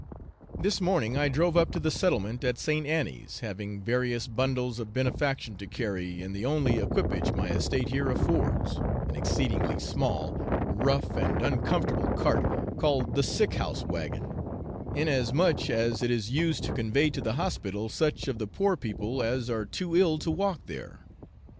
This morning I drove up to the settlement at St. Annie's, having various bundles of benefaction to carry in the only equipage my estate here affords, an exceedingly small, rough, and uncomfortable cart, called the sick house waggon, inasmuch as it is used to convey to the hospital such of the poor people as are too ill to walk there.